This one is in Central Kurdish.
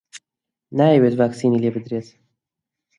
نایەوێت ڤاکسینی لێ بدرێت.